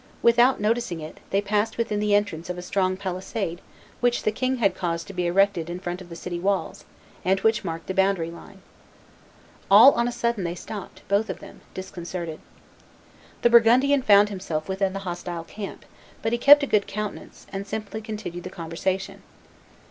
Without noticing it, they passed within the entrance of a strong palisade which the king had caused to be erected in front of the city walls, and which marked the boundary line. All on a sudden they stopped, both of them disconcerted. The Burgundian found himself within the hostile camp; but he kept a good countenance, and simply continued the conversation.